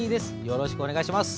よろしくお願いします。